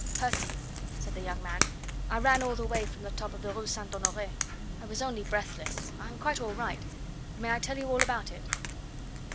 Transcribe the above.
"Percy," said the young man, "I ran all the way from the top of the Rue St. Honore. I was only breathless. I am quite all right. May I tell you all about it?"